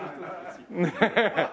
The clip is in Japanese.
ねえ。